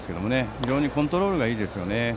非常にコントロールがいいですね。